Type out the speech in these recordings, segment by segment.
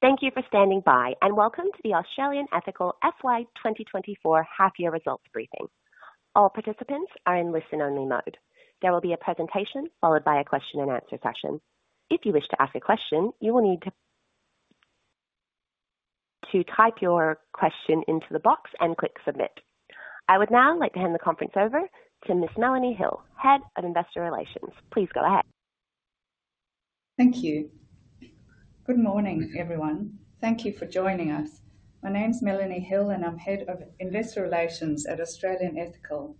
Thank you for standing by, and welcome to the Australian Ethical FY 2024 Half-Year Results Briefing. All participants are in listen-only mode. There will be a presentation followed by a question-and-answer session. If you wish to ask a question, you will need to type your question into the box and click Submit. I would now like to hand the conference over to Ms. Melanie Hill, Head of Investor Relations. Please go ahead. Thank you. Good morning, everyone. Thank you for joining us. My name's Melanie Hill, and I'm Head of Investor Relations at Australian Ethical.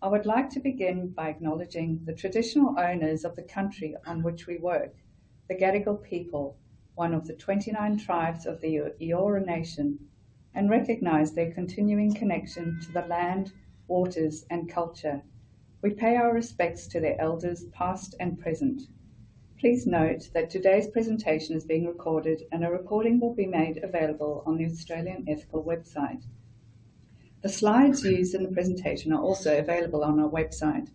I would like to begin by acknowledging the traditional owners of the country on which we work, the Gadigal people, one of the 29 tribes of the Eora Nation, and recognize their continuing connection to the land, waters, and culture. We pay our respects to their elders, past and present. Please note that today's presentation is being recorded, and a recording will be made available on the Australian Ethical website. The slides used in the presentation are also available on our website.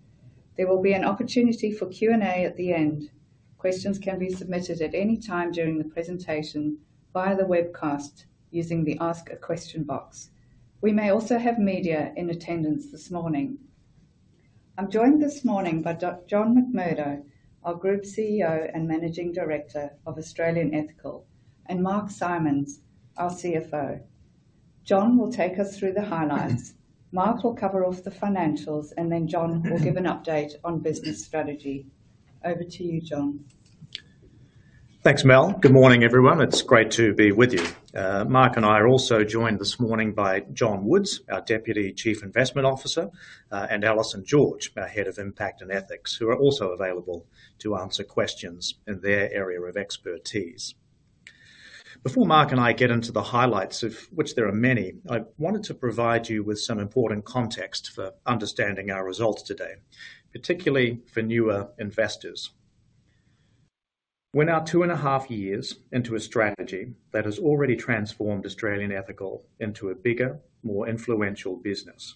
There will be an opportunity for Q&A at the end. Questions can be submitted at any time during the presentation via the webcast using the Ask a Question box. We may also have media in attendance this morning. I'm joined this morning by John McMurdo, our Group CEO and Managing Director of Australian Ethical, and Mark Simons, our CFO. John will take us through the highlights. Mark will cover off the financials, and then John will give an update on business strategy. Over to you, John. Thanks, Mel. Good morning, everyone. It's great to be with you. Mark and I are also joined this morning by John Woods, our Deputy Chief Investment Officer, and Alison George, our Head of Impact and Ethics, who are also available to answer questions in their area of expertise. Before Mark and I get into the highlights, of which there are many, I wanted to provide you with some important context for understanding our results today, particularly for newer investors. We're now two and a half years into a strategy that has already transformed Australian Ethical into a bigger, more influential business.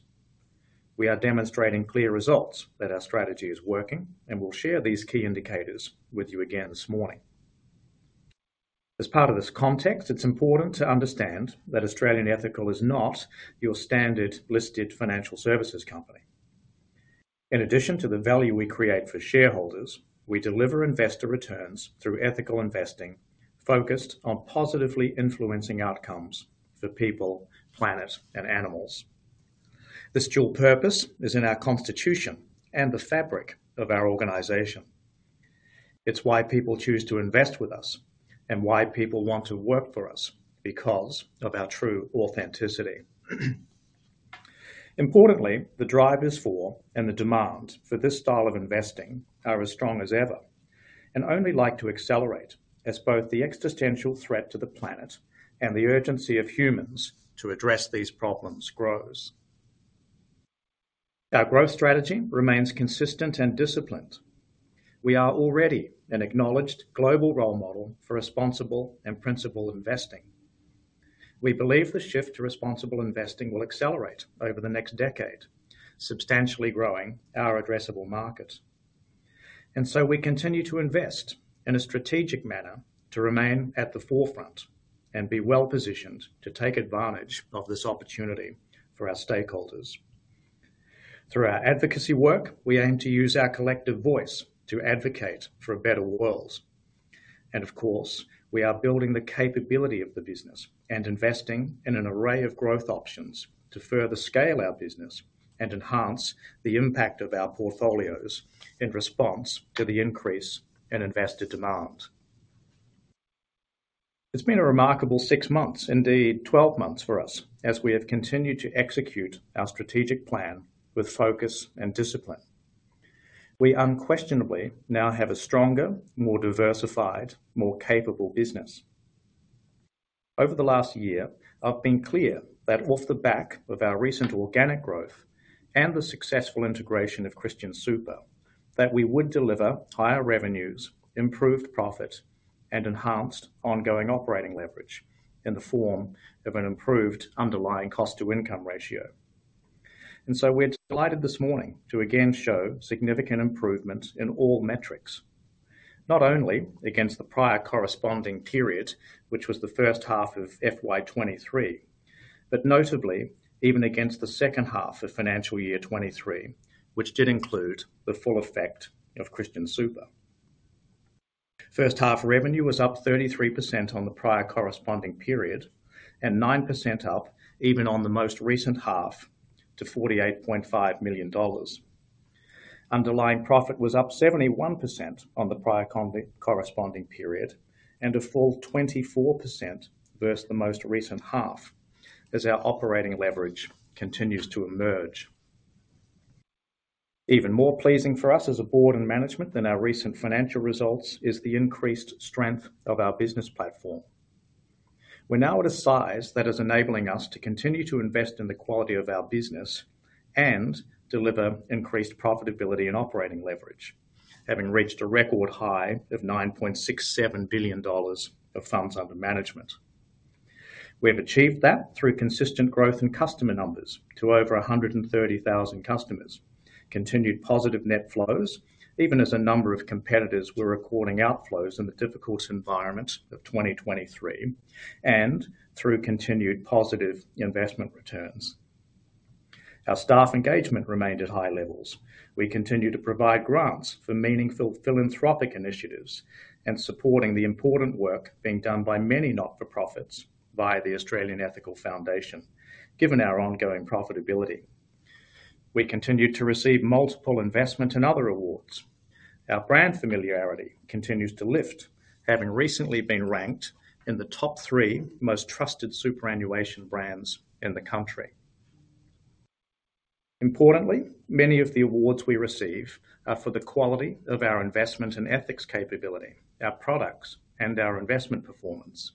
We are demonstrating clear results that our strategy is working, and we'll share these key indicators with you again this morning. As part of this context, it's important to understand that Australian Ethical is not your standard listed financial services company. In addition to the value we create for shareholders, we deliver investor returns through ethical investing focused on positively influencing outcomes for people, planet, and animals. This dual purpose is in our constitution and the fabric of our organization. It's why people choose to invest with us and why people want to work for us because of our true authenticity. Importantly, the drivers for and the demand for this style of investing are as strong as ever and only likely to accelerate as both the existential threat to the planet and the urgency of humans to address these problems grows. Our growth strategy remains consistent and disciplined. We are already an acknowledged global role model for responsible and principled investing. We believe the shift to responsible investing will accelerate over the next decade, substantially growing our addressable market. We continue to invest in a strategic manner to remain at the forefront and be well-positioned to take advantage of this opportunity for our stakeholders. Through our advocacy work, we aim to use our collective voice to advocate for a better world. Of course, we are building the capability of the business and investing in an array of growth options to further scale our business and enhance the impact of our portfolios in response to the increase in investor demand. It's been a remarkable six months, indeed 12 months for us, as we have continued to execute our strategic plan with focus and discipline. We unquestionably now have a stronger, more diversified, more capable business. Over the last year, I've been clear that off the back of our recent organic growth and the successful integration of Christian Super, that we would deliver higher revenues, improved profit, and enhanced ongoing operating leverage in the form of an improved underlying cost-to-income ratio. And so we're delighted this morning to again show significant improvement in all metrics, not only against the prior corresponding period, which was the H1 of FY 2023, but notably even against the H2 of financial year 2023, which did include the full effect of Christian Super. H1 revenue was up 33% on the prior corresponding period and 9% up even on the most recent half to 48.5 million dollars. Underlying profit was up 71% on the prior corresponding period and a full 24% versus the most recent half as our operating leverage continues to emerge. Even more pleasing for us as a board and management than our recent financial results is the increased strength of our business platform. We're now at a size that is enabling us to continue to invest in the quality of our business and deliver increased profitability and operating leverage, having reached a record high of 9.67 billion dollars of funds under management. We have achieved that through consistent growth in customer numbers to over 130,000 customers, continued positive net flows even as a number of competitors were recording outflows in the difficult environment of 2023, and through continued positive investment returns. Our staff engagement remained at high levels. We continue to provide grants for meaningful philanthropic initiatives and supporting the important work being done by many not-for-profits via the Australian Ethical Foundation, given our ongoing profitability. We continue to receive multiple investment and other awards. Our brand familiarity continues to lift, having recently been ranked in the top three most trusted superannuation brands in the country. Importantly, many of the awards we receive are for the quality of our investment and ethics capability, our products, and our investment performance.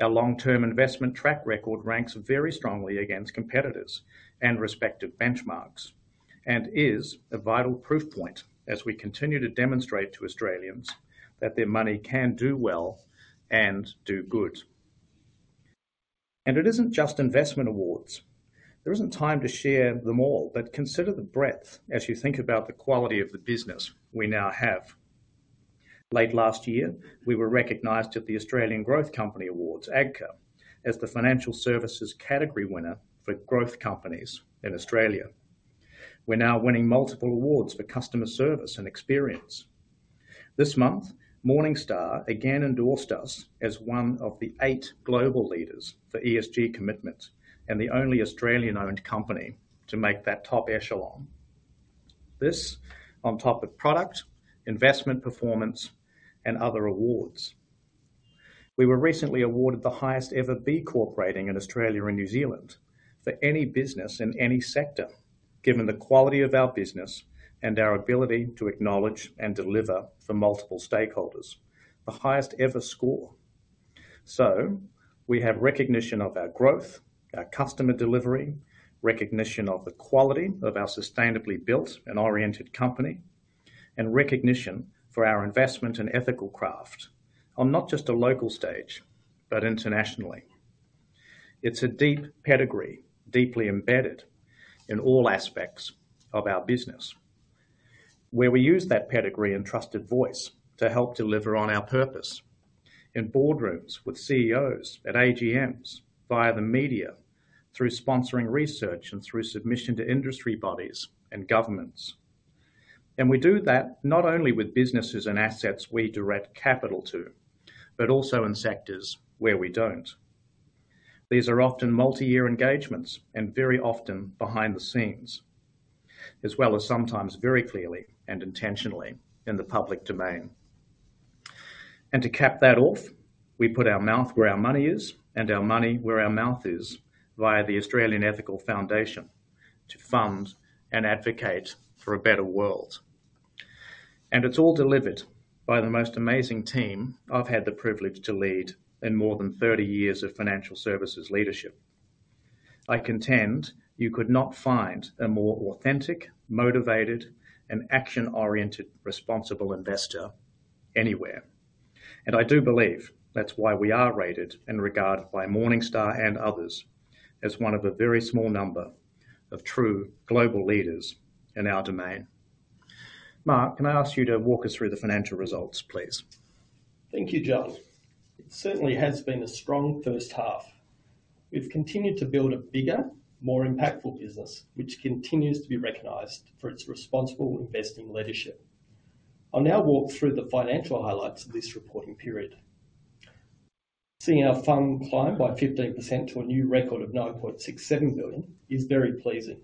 Our long-term investment track record ranks very strongly against competitors and respective benchmarks and is a vital proof point as we continue to demonstrate to Australians that their money can do well and do good. It isn't just investment awards. There isn't time to share them all, but consider the breadth as you think about the quality of the business we now have. Late last year, we were recognized at the Australian Growth Company Awards, AGCA, as the financial services category winner for growth companies in Australia. We're now winning multiple awards for customer service and experience. This month, Morningstar again endorsed us as one of the eight global leaders for ESG commitment and the only Australian-owned company to make that top echelon. This on top of product, investment performance, and other awards. We were recently awarded the highest-ever B Corp rating in Australia and New Zealand for any business in any sector, given the quality of our business and our ability to acknowledge and deliver for multiple stakeholders, the highest-ever score. We have recognition of our growth, our customer delivery, recognition of the quality of our sustainably built and oriented company, and recognition for our investment and ethical craft on not just a local stage but internationally. It's a deep pedigree, deeply embedded in all aspects of our business, where we use that pedigree and trusted voice to help deliver on our purpose in boardrooms with CEOs, at AGMs, via the media, through sponsoring research, and through submission to industry bodies and governments. We do that not only with businesses and assets we direct capital to but also in sectors where we don't. These are often multi-year engagements and very often behind the scenes, as well as sometimes very clearly and intentionally in the public domain. To cap that off, we put our mouth where our money is and our money where our mouth is via the Australian Ethical Foundation to fund and advocate for a better world. It's all delivered by the most amazing team I've had the privilege to lead in more than 30 years of financial services leadership. I contend you could not find a more authentic, motivated, and action-oriented responsible investor anywhere. I do believe that's why we are rated and regarded by Morningstar and others as one of a very small number of true global leaders in our domain. Mark, can I ask you to walk us through the financial results, please? Thank you, John. It certainly has been a strong H1. We've continued to build a bigger, more impactful business, which continues to be recognized for its responsible investing leadership. I'll now walk through the financial highlights of this reporting period. Seeing our FUM climb by 15% to a new record of 9.67 billion is very pleasing.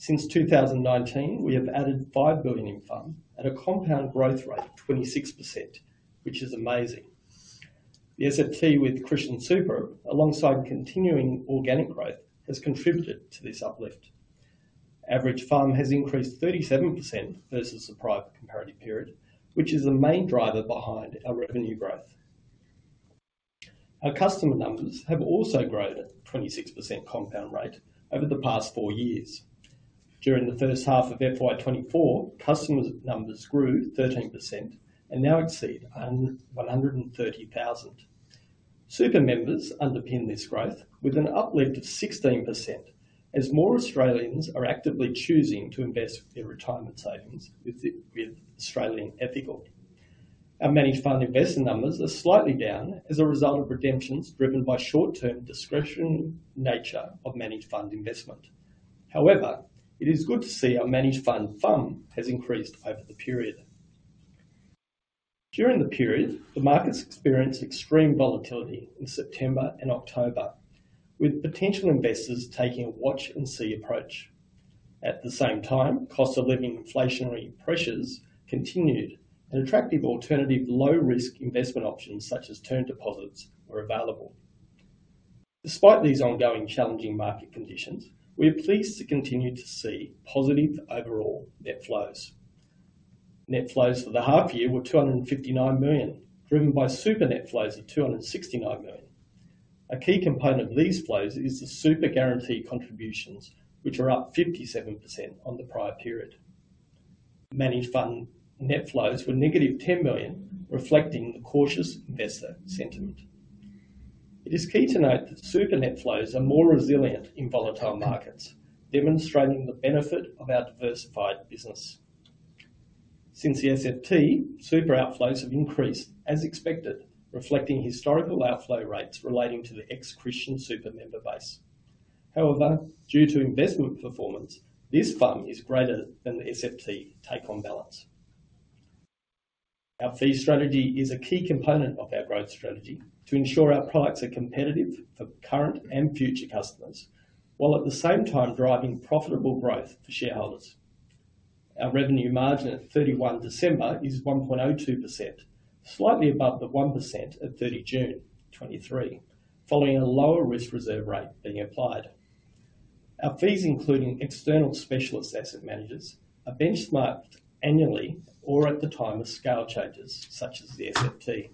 Since 2019, we have added 5 billion in FUM at a compound growth rate of 26%, which is amazing. The SFT with Christian Super, alongside continuing organic growth, has contributed to this uplift. Average FUM has increased 37% versus the prior comparative period, which is the main driver behind our revenue growth. Our customer numbers have also grown at a 26% compound rate over the past four years. During the H1 of FY 2024, customer numbers grew 13% and now exceed 130,000. Super members underpin this growth with an uplift of 16% as more Australians are actively choosing to invest their retirement savings with Australian Ethical. Our managed fund investor numbers are slightly down as a result of redemptions driven by short-term discretion nature of managed fund investment. However, it is good to see our managed fund FUM has increased over the period. During the period, the markets experienced extreme volatility in September and October, with potential investors taking a watch-and-see approach. At the same time, cost-of-living inflationary pressures continued, and attractive alternative low-risk investment options such as term deposits were available. Despite these ongoing challenging market conditions, we are pleased to continue to see positive overall net flows. Net flows for the half-year were 259 million, driven by super net flows of 269 million. A key component of these flows is the super guarantee contributions, which are up 57% on the prior period. Managed fund net flows were negative 10 million, reflecting the cautious investor sentiment. It is key to note that super net flows are more resilient in volatile markets, demonstrating the benefit of our diversified business. Since the SFT, super outflows have increased as expected, reflecting historical outflow rates relating to the ex-Christian Super member base. However, due to investment performance, this fund is greater than the SFT take-on balance. Our fee strategy is a key component of our growth strategy to ensure our products are competitive for current and future customers while at the same time driving profitable growth for shareholders. Our revenue margin at 31 December is 1.02%, slightly above the 1% at 30 June 2023, following a lower risk reserve rate being applied. Our fees, including external specialist asset managers, are benchmarked annually or at the time of scale changes such as the SFT.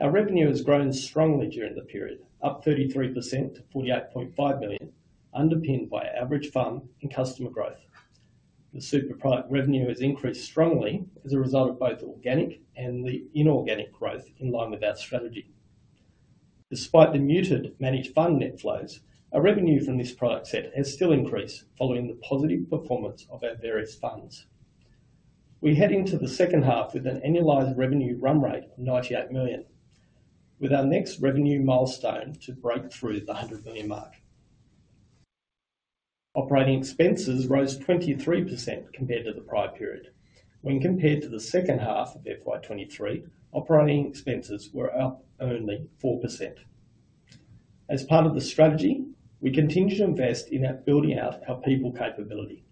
Our revenue has grown strongly during the period, up 33% to 48.5 million, underpinned by average fund and customer growth. The super product revenue has increased strongly as a result of both organic and the inorganic growth in line with our strategy. Despite the muted managed fund net flows, our revenue from this product set has still increased following the positive performance of our various funds. We head into the H2 with an annualized revenue run rate of 98 million, with our next revenue milestone to break through the 100 million mark. Operating expenses rose 23% compared to the prior period. When compared to the H2 of FY 2023, operating expenses were up only 4%. As part of the strategy, we continue to invest in building out our people capability.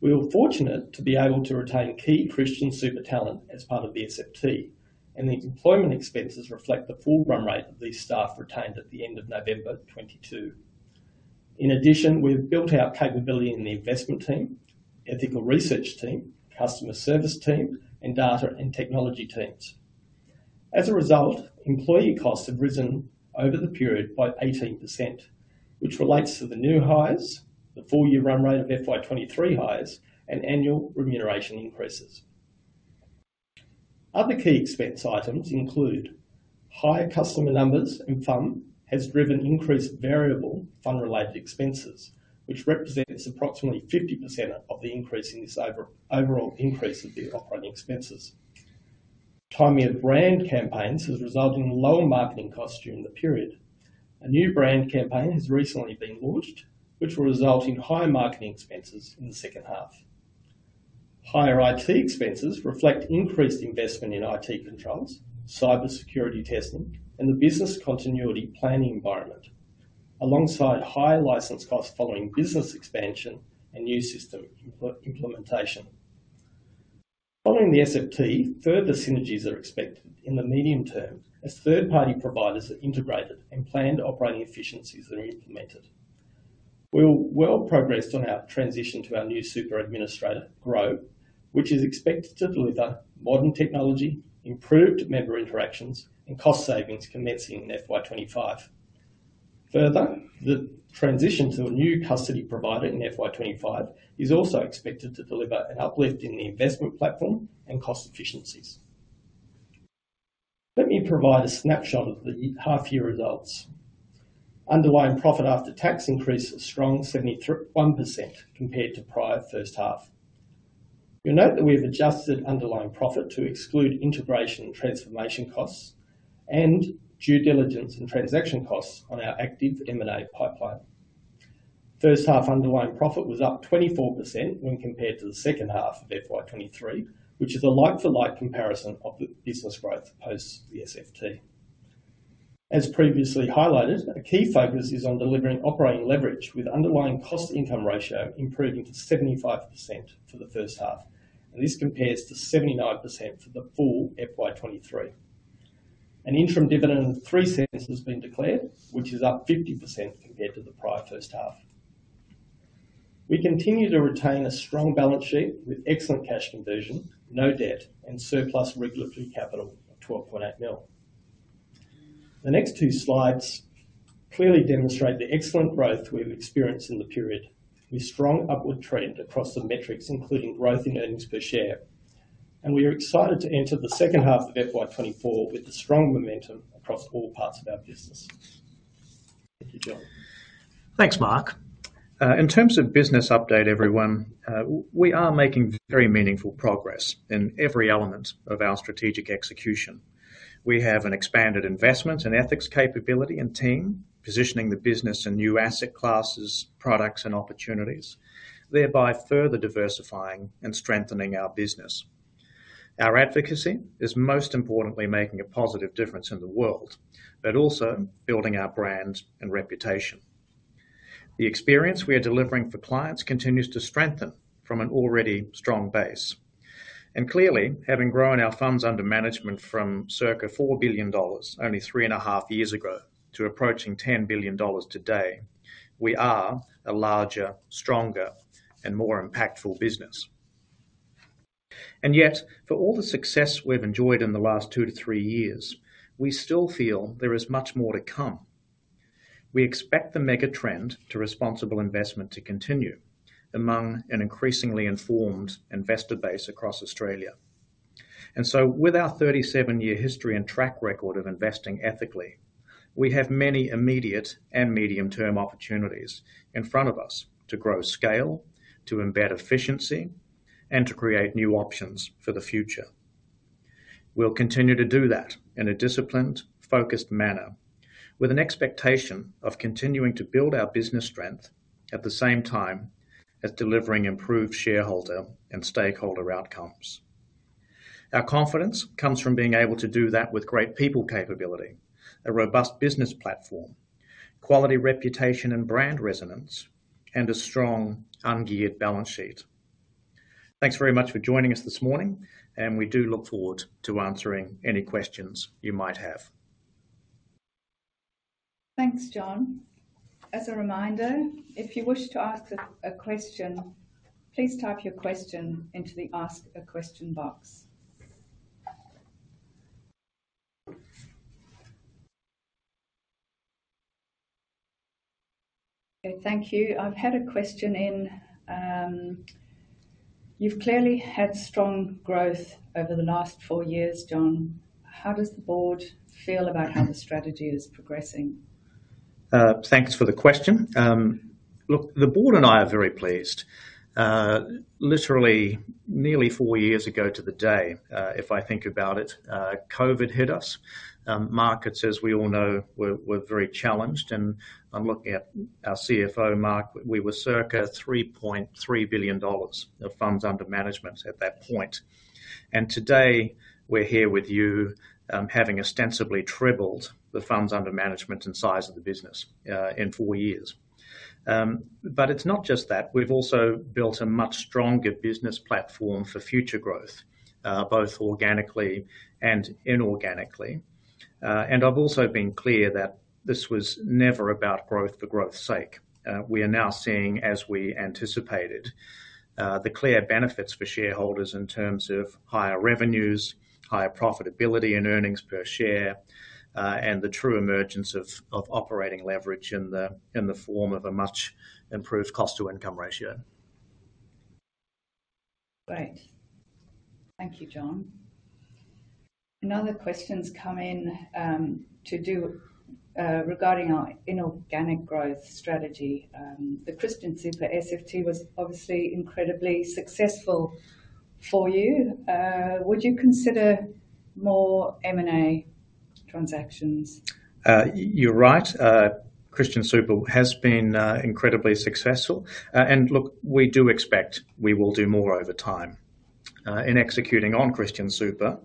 We are fortunate to be able to retain key Christian Super talent as part of the SFT, and the employment expenses reflect the full run rate of these staff retained at the end of November 2022. In addition, we have built out capability in the investment team, ethical research team, customer service team, and data and technology teams. As a result, employee costs have risen over the period by 18%, which relates to the new hires, the four-year run rate of FY 2023 hires, and annual remuneration increases. Other key expense items include higher customer numbers and FUM has driven increased variable FUM-related expenses, which represents approximately 50% of the overall increase of the operating expenses. Timing of brand campaigns has resulted in lower marketing costs during the period. A new brand campaign has recently been launched, which will result in higher marketing expenses in the H2. Higher IT expenses reflect increased investment in IT controls, cybersecurity testing, and the business continuity planning environment, alongside higher license costs following business expansion and new system implementation. Following the SFT, further synergies are expected in the medium term as third-party providers are integrated and planned operating efficiencies are implemented. We've well progressed on our transition to our new super administrator, Grow, which is expected to deliver modern technology, improved member interactions, and cost savings commencing in FY 2025. Further, the transition to a new custody provider in FY 2025 is also expected to deliver an uplift in the investment platform and cost efficiencies. Let me provide a snapshot of the half-year results. Underlying profit after tax increase is strong, 71% compared to prior H1. You'll note that we have adjusted underlying profit to exclude integration and transformation costs and due diligence and transaction costs on our active M&A pipeline. H1 underlying profit was up 24% when compared to the H2 of FY 2023, which is a like-for-like comparison of the business growth post the SFT. As previously highlighted, a key focus is on delivering operating leverage, with underlying cost-income ratio improving to 75% for the H1, and this compares to 79% for the full FY 2023. An interim dividend of 0.03 has been declared, which is up 50% compared to the prior H1. We continue to retain a strong balance sheet with excellent cash conversion, no debt, and surplus regulatory capital of 12.8 million. The next two slides clearly demonstrate the excellent growth we've experienced in the period, with strong upward trend across the metrics, including growth in earnings per share. We are excited to enter the H2 of FY 2024 with the strong momentum across all parts of our business. Thank you, John. Thanks, Mark. In terms of business update, everyone, we are making very meaningful progress in every element of our strategic execution. We have an expanded investment and ethics capability and team positioning the business and new asset classes, products, and opportunities, thereby further diversifying and strengthening our business. Our advocacy is most importantly making a positive difference in the world but also building our brand and reputation. The experience we are delivering for clients continues to strengthen from an already strong base. And clearly, having grown our funds under management from circa 4 billion dollars only 3.5 years ago to approaching 10 billion dollars today, we are a larger, stronger, and more impactful business. And yet, for all the success we've enjoyed in the last 2-3 years, we still feel there is much more to come. We expect the megatrend to responsible investment to continue among an increasingly informed investor base across Australia. And so, with our 37-year history and track record of investing ethically, we have many immediate and medium-term opportunities in front of us to grow scale, to embed efficiency, and to create new options for the future. We'll continue to do that in a disciplined, focused manner, with an expectation of continuing to build our business strength at the same time as delivering improved shareholder and stakeholder outcomes. Our confidence comes from being able to do that with great people capability, a robust business platform, quality reputation and brand resonance, and a strong ungeared balance sheet. Thanks very much for joining us this morning, and we do look forward to answering any questions you might have. Thanks, John. As a reminder, if you wish to ask a question, please type your question into the Ask A Question box. Thank you. I've had a question in. You've clearly had strong growth over the last four years, John. How does the board feel about how the strategy is progressing? Thanks for the question. Look, the board and I are very pleased. Literally, nearly four years ago to the day, if I think about it, COVID hit us. Markets, as we all know, were very challenged. And I'm looking at our CFO, Mark. We were circa 3.3 billion dollars of funds under management at that point. And today, we're here with you having ostensibly tripled the funds under management and size of the business in four years. But it's not just that. We've also built a much stronger business platform for future growth, both organically and inorganically. And I've also been clear that this was never about growth for growth's sake. We are now seeing, as we anticipated, the clear benefits for shareholders in terms of higher revenues, higher profitability in earnings per share, and the true emergence of operating leverage in the form of a much improved cost-to-income ratio. Great. Thank you, John. Another question's come in regarding our inorganic growth strategy. The Christian Super SFT was obviously incredibly successful for you. Would you consider more M&A transactions? You're right. Christian Super has been incredibly successful. And look, we do expect we will do more over time. In executing on Christian Super,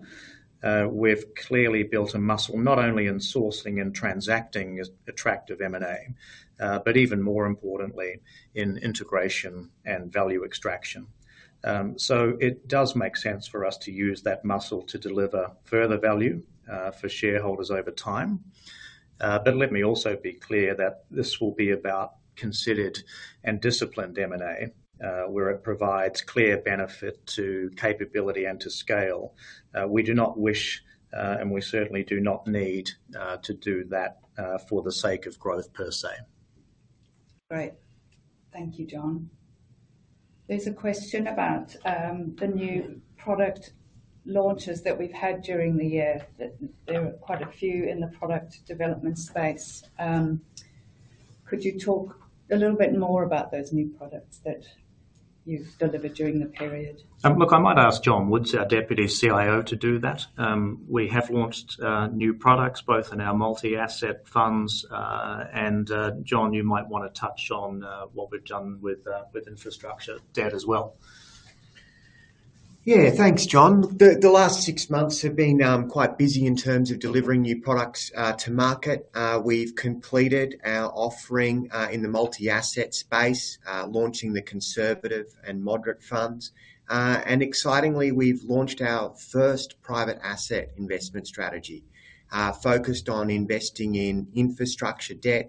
we've clearly built a muscle not only in sourcing and transacting attractive M&A but, even more importantly, in integration and value extraction. So it does make sense for us to use that muscle to deliver further value for shareholders over time. But let me also be clear that this will be about considered and disciplined M&A, where it provides clear benefit to capability and to scale. We do not wish, and we certainly do not need, to do that for the sake of growth per se. Great. Thank you, John. There's a question about the new product launches that we've had during the year. There are quite a few in the product development space. Could you talk a little bit more about those new products that you've delivered during the period? Look, I might ask John Woods, our Deputy CIO, to do that. We have launched new products, both in our multi-asset funds. John, you might want to touch on what we've done with infrastructure. That as well. Yeah. Thanks, John. The last six months have been quite busy in terms of delivering new products to market. We've completed our offering in the multi-asset space, launching the Conservative and Moderate funds. And excitingly, we've launched our first private asset investment strategy focused on investing in infrastructure debt,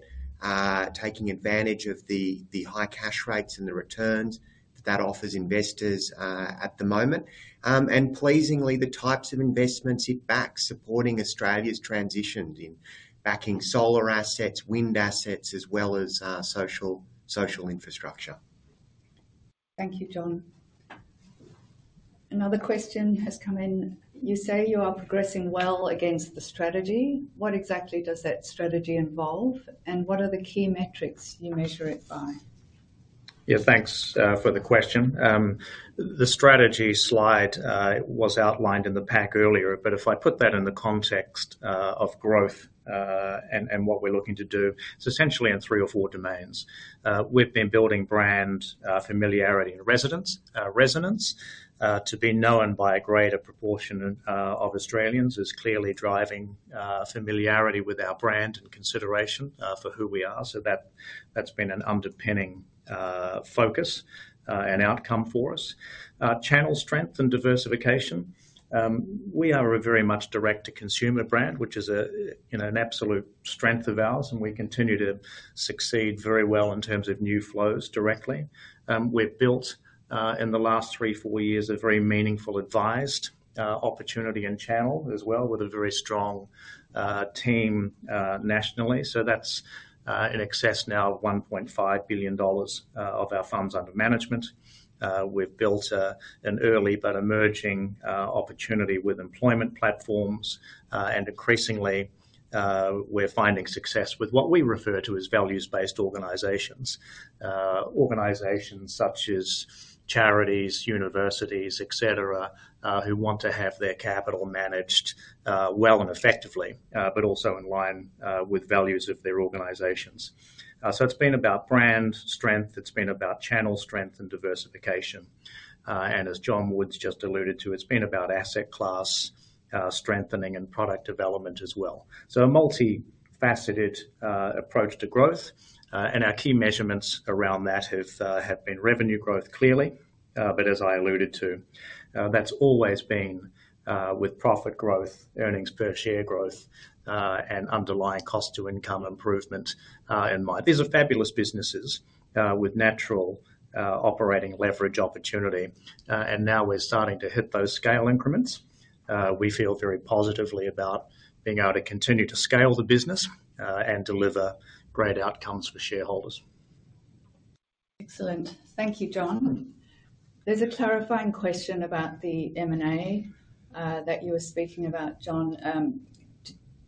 taking advantage of the high cash rates and the returns that that offers investors at the moment. And pleasingly, the types of investments it backs, supporting Australia's transition in backing solar assets, wind assets, as well as social infrastructure. Thank you, John. Another question has come in. You say you are progressing well against the strategy. What exactly does that strategy involve, and what are the key metrics you measure it by? Yeah. Thanks for the question. The strategy slide was outlined in the pack earlier, but if I put that in the context of growth and what we're looking to do, it's essentially in three or four domains. We've been building brand familiarity and resonance. To be known by a greater proportion of Australians is clearly driving familiarity with our brand and consideration for who we are. So that's been an underpinning focus and outcome for us. Channel strength and diversification. We are a very much direct-to-consumer brand, which is an absolute strength of ours, and we continue to succeed very well in terms of new flows directly. We've built, in the last three, four years, a very meaningful advised opportunity and channel as well with a very strong team nationally. So that's in excess now of 1.5 billion dollars of our funds under management. We've built an early but emerging opportunity with employment platforms. Increasingly, we're finding success with what we refer to as values-based organizations, organizations such as charities, universities, etc., who want to have their capital managed well and effectively but also in line with values of their organizations. It's been about brand strength. It's been about channel strength and diversification. As John Woods just alluded to, it's been about asset class strengthening and product development as well. A multifaceted approach to growth. Our key measurements around that have been revenue growth, clearly. As I alluded to, that's always been with profit growth, earnings per share growth, and underlying cost-to-income improvement in mind. These are fabulous businesses with natural operating leverage opportunity. Now we're starting to hit those scale increments. We feel very positively about being able to continue to scale the business and deliver great outcomes for shareholders. Excellent. Thank you, John. There's a clarifying question about the M&A that you were speaking about, John.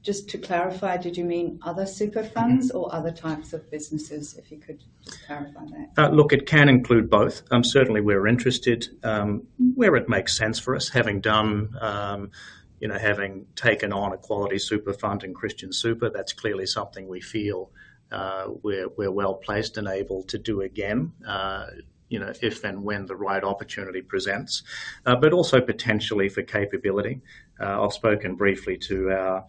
Just to clarify, did you mean other super funds or other types of businesses, if you could just clarify that? Look, it can include both. Certainly, we're interested where it makes sense for us. Having taken on a quality super fund in Christian Super, that's clearly something we feel we're well placed and able to do again if and when the right opportunity presents, but also potentially for capability. I've spoken briefly to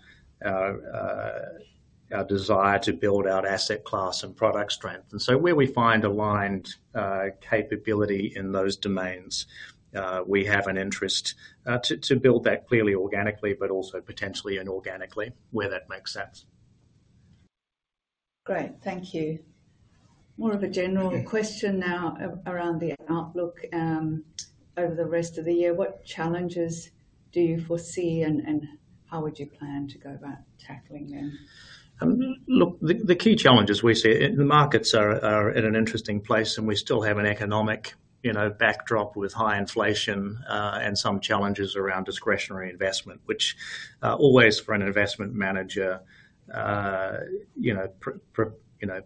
our desire to build out asset class and product strength. And so where we find aligned capability in those domains, we have an interest to build that clearly organically but also potentially inorganically, where that makes sense. Great. Thank you. More of a general question now around the outlook over the rest of the year. What challenges do you foresee, and how would you plan to go about tackling them? Look, the key challenges we see the markets are in an interesting place, and we still have an economic backdrop with high inflation and some challenges around discretionary investment, which always, for an investment manager,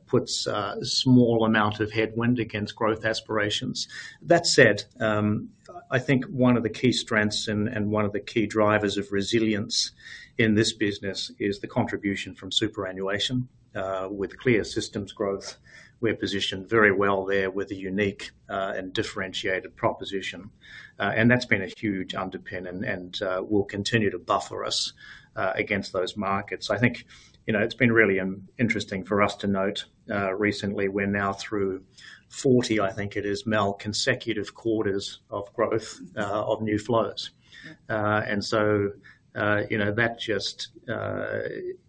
puts a small amount of headwind against growth aspirations. That said, I think one of the key strengths and one of the key drivers of resilience in this business is the contribution from superannuation with clear systems growth. We're positioned very well there with a unique and differentiated proposition. And that's been a huge underpin and will continue to buffer us against those markets. I think it's been really interesting for us to note recently we're now through 40, I think it is, Mel consecutive quarters of growth of new flows. That just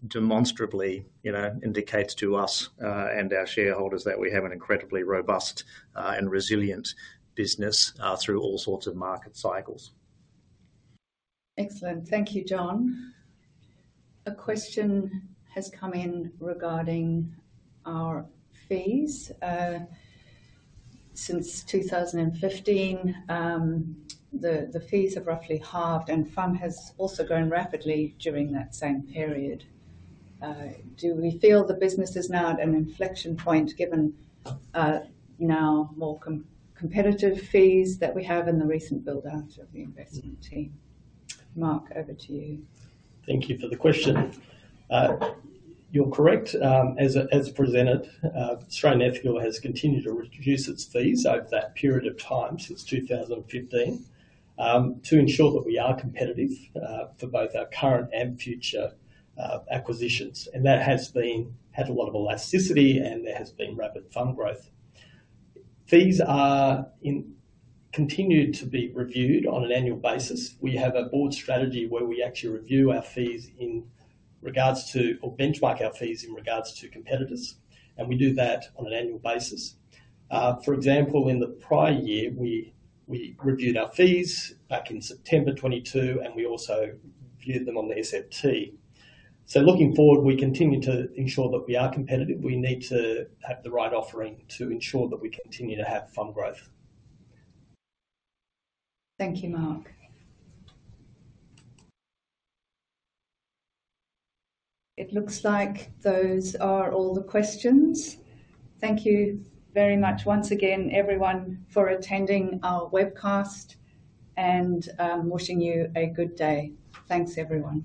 demonstrably indicates to us and our shareholders that we have an incredibly robust and resilient business through all sorts of market cycles. Excellent. Thank you, John. A question has come in regarding our fees. Since 2015, the fees have roughly halved, and FUM has also grown rapidly during that same period. Do we feel the business is now at an inflection point given now more competitive fees that we have in the recent build-out of the investment team? Mark, over to you. Thank you for the question. You're correct. As presented, Australian Ethical has continued to reduce its fees over that period of time since 2015 to ensure that we are competitive for both our current and future acquisitions. That has had a lot of elasticity, and there has been rapid fund growth. Fees continue to be reviewed on an annual basis. We have a board strategy where we actually review our fees in regards to or benchmark our fees in regards to competitors. We do that on an annual basis. For example, in the prior year, we reviewed our fees back in September 2022, and we also reviewed them on the SFT. Looking forward, we continue to ensure that we are competitive. We need to have the right offering to ensure that we continue to have fund growth. Thank you, Mark. It looks like those are all the questions. Thank you very much once again, everyone, for attending our webcast and wishing you a good day. Thanks, everyone.